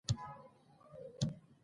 هغه څوک چې ځان پېژني پر نورو اغېزه لري.